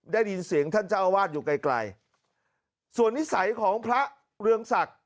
ได้ยินเสียงท่านเจ้าอาวาสอยู่ไกลไกลส่วนนิสัยของพระเรืองศักดิ์